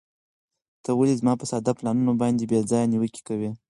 ته ولې زما په ساده پلانونو باندې بې ځایه نیوکې کوې؟